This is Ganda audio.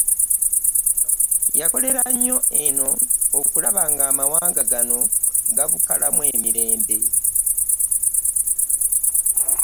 Yakolera nnyo eno okulaba ng'amawanga gano gabukalamu emirembe